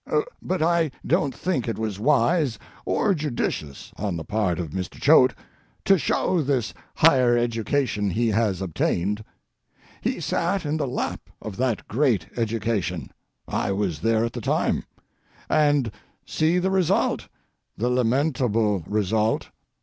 But I don't think it was wise or judicious on the part of Mr. Choate to show this higher education he has obtained. He sat in the lap of that great education (I was there at the time), and see the result—the lamentable result.